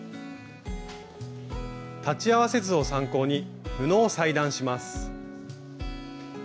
裁ち合わせ図を参考に布を裁断します。